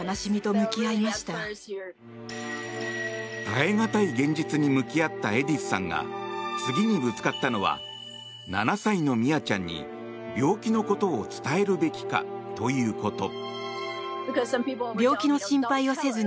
耐え難い現実に向き合ったエディスさんが次にぶつかったのは７歳のミアちゃんに病気のことを伝えるべきかということ。